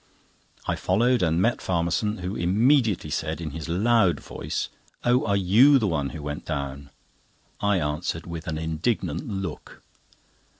I followed, and met Farmerson, who immediately said, in his loud voice "Oh, are you the one who went down?" I answered with an indignant look.